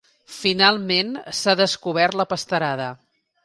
Finalment s'ha descobert la pasterada.